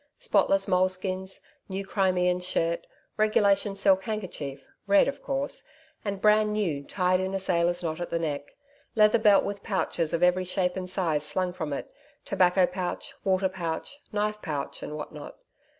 Spotless moleskins, new Crimean shirt, regulation silk handkerchief, red, of course, and brand new, tied in a sailor's knot at the neck, leather belt with pouches of every shape and size slung from it, tobacco pouch, watch pouch, knife pouch and what not.